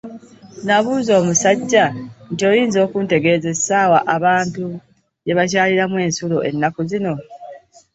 Nnabuuza omusajja nti Oyinza okuntegeeza essaawa abantu gye bakyaliramu ensulo ennaku zino?